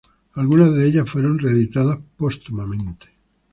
Algunas de ellas fueron reeditadas póstumamente.